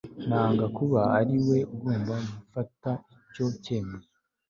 nanga kuba ariwe ugomba gufata icyo cyemezo